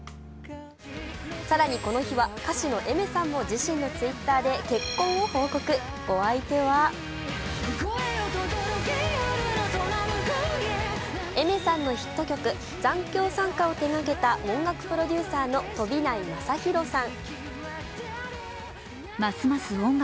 更にこの日は歌手のＡｉｍｅｒさんも自身のＴｗｉｔｔｅｒで結婚を報告、お相手はＡｉｍｅｒさんのヒット曲「残響散歌」を手がけた音楽プロデューサーの飛内将大さん。